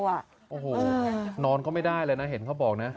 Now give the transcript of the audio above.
โอ้โหนอนก็ไม่ได้เลยนะเห็นเขาบอกนะ